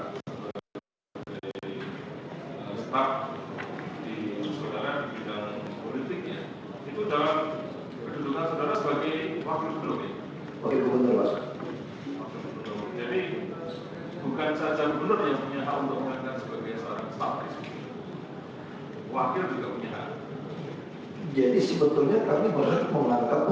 seberapa di antaranya yang terlihat seluruh bantuan saudara seni pak